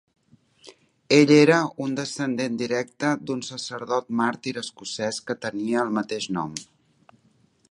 Ell era un descendent directe d"un sacerdot màrtir escocès que tenia el mateix nom.